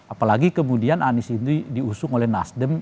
apalagi kemudian anies itu diusung oleh nasdem